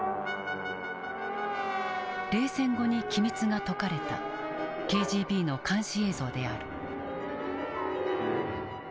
冷戦後に機密が解かれたＫＧＢの監視映像である。